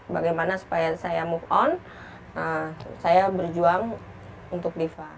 bagaimana supaya saya move on saya berjuang untuk diva